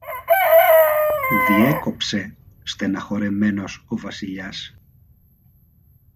διέκοψε στενοχωρεμένος ο Βασιλιάς.